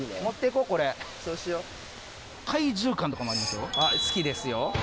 これ・あっ好きですよ。